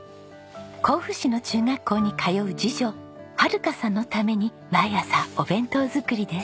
甲府市の中学校に通う次女遥香さんのために毎朝お弁当作りです。